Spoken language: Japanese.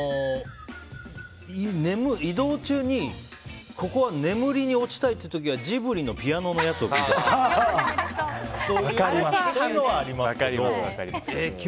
移動中にここは眠りに落ちたいって時はジブリのピアノのやつを聴いてる。